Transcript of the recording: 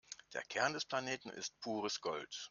Der Kern des Planeten ist pures Gold.